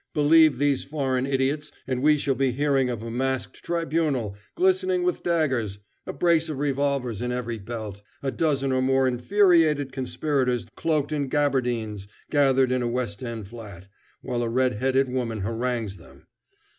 "Believe these foreign idiots and we shall be hearing of a masked tribunal, glistening with daggers, a brace of revolvers in every belt a dozen or more infuriated conspirators, cloaked in gaberdines, gathered in a West End flat, while a red headed woman harangues them.